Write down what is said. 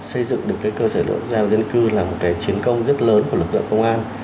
xây dựng được cơ sở dữ liệu quốc gia về dân cư là một chiến công rất lớn của lực lượng công an